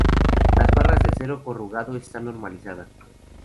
Las barras de acero corrugado están normalizadas.